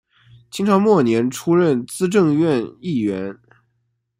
清朝末年出任资政院议员。